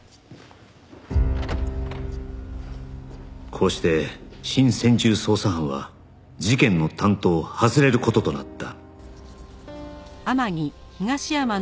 こうして新専従捜査班は事件の担当を外れる事となった